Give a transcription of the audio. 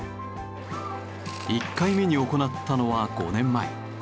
１回目に行ったのは５年前。